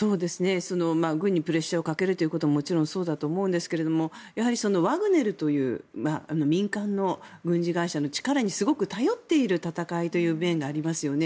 軍にプレッシャーをかけるというのももちろんそうだと思うんですがやはりワグネルという民間の軍事会社の力にすごく頼っている戦いという面がありますよね。